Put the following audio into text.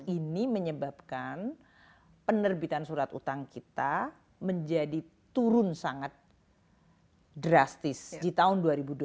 ini menyebabkan penerbitan surat utang kita menjadi turun sangat drastis di tahun dua ribu dua puluh